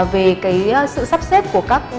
về sự sắp xếp của các